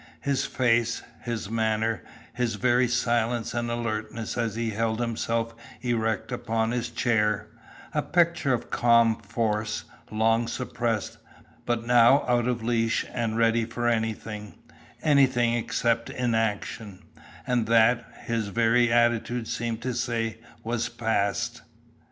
His face, his manner, his very silence and alertness as he held himself erect upon his chair, a picture of calm force, long suppressed, but now out of leash and ready for anything anything except inaction; and that, his very attitude seemed to say was past.